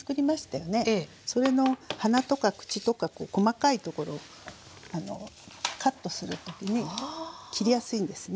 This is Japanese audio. それの鼻とか口とか細かいところカットする時に切りやすいんですね。